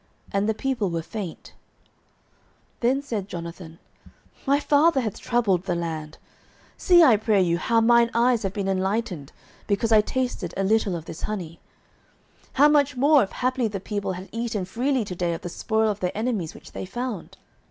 And the people were faint. 09:014:029 Then said Jonathan, My father hath troubled the land: see, I pray you, how mine eyes have been enlightened, because I tasted a little of this honey. 09:014:030 How much more, if haply the people had eaten freely to day of the spoil of their enemies which they found?